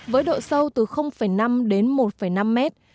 với độ sâu từ năm đến một năm mét